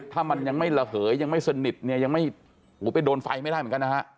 ถ้ามันยังไม่ระเหยยังไม่สนิทเนี่ยยังไม่ไปโดนไฟไม่ได้เหมือนกันนะฮะ